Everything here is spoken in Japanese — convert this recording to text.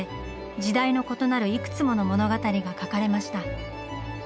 時代の異なるいくつもの物語が描かれました。